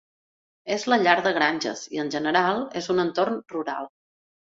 És la llar de granges i, en general, és un entorn rural.